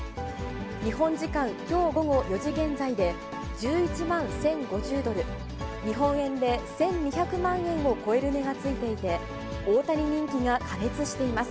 日本時間きょう午後４時現在で、１１万１０５０ドル、日本円で１２００万円を超える値がついていて、大谷人気が過熱しています。